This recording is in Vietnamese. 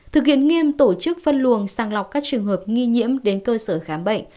thực hiện nghiêm tổ chức phân luồng sàng lọc các trường hợp nghi nhiễm đến cơ sở khám bệnh